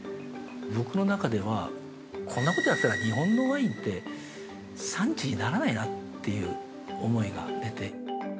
僕の中では、こんなことやってたら日本のワインて産地にならないなという思いが出て。